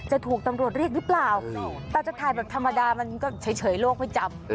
จะถูกตำรวจเรียกหรือเปล่าแต่จะถ่ายแบบธรรมดามันก็เฉยโลกไม่จำ